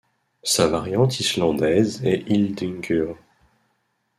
Sa variante islandaise est Hildingur.